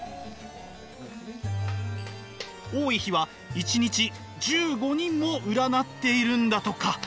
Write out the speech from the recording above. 多い日は１日１５人も占っているんだとか。